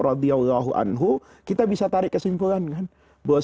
dan allah kita bisa tarik kesimpulan bahwa